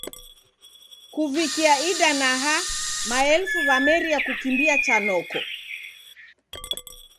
Kuvikia idanaha, maelfu w'amerie kukimbia cha noko.